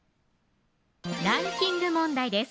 ランキング問題です